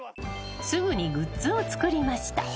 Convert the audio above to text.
［すぐにグッズを作りました］